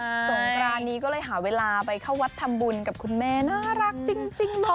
สงกรานนี้ก็เลยหาเวลาไปเข้าวัดทำบุญกับคุณแม่น่ารักจริงเหมาะ